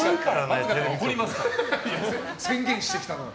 宣言してきたな。